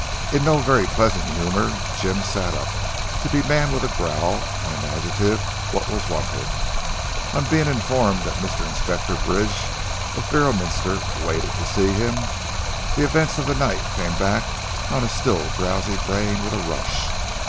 In no very pleasant humour, Jim sat up, to demand with a growl and an adjective what was wanted. On being informed that Mr. Inspector Bridge of Beorminster waited to see him, the events of the night came back on his still drowsy brain with a rush.